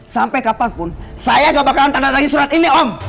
sampai kapanpun saya gak bakalan tanda lagi surat ini om